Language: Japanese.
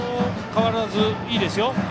変わらず、いいですよ。